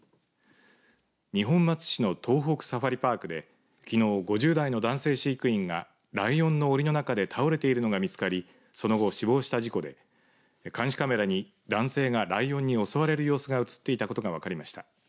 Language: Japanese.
二本松市の東北サファリパークできのう５０代の男性飼育員がライオンのおりの中で倒れているのが見つかりその後死亡した事故で監視カメラに男性がライオンに襲われる様子が映っていたことがわかりました。